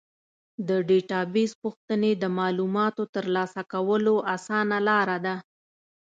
د ډیټابیس پوښتنې د معلوماتو ترلاسه کولو اسانه لاره ده.